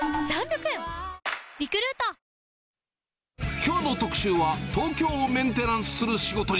きょうの特集は、東京をメンテナンスする仕事人。